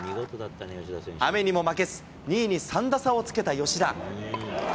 雨にも負けず、２位に３打差をつけた吉田。